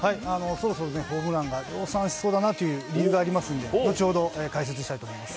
そろそろホームランが量産しそうだなっていう理由がありますんで、後ほど解説したいと思いま